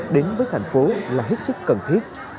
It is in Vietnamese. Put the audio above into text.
đến với thành phố là hết sức cần thiết